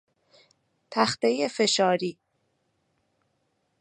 تختهی فشاری